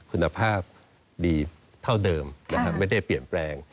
คุณภาพดีเท่าเดิมไม่ได้เปลี่ยนแปลง